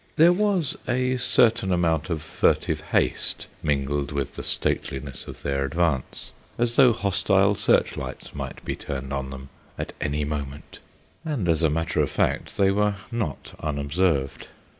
There was a certain amount of furtive haste mingled with the stateliness of their advance, as though hostile search lights might be turned on them at any moment; and, as a matter of fact, they were not unobserved.